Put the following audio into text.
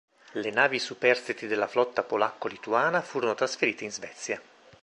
Le navi superstiti della flotta polacco-lituana furono trasferite in Svezia.